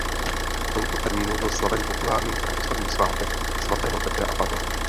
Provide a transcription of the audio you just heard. V tomto termínu byl slaven populární pravoslavný svátek svatého Petra a Pavla.